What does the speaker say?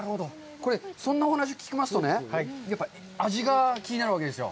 そんなお話を聞きますとね、やっぱり味が気になるわけですよ。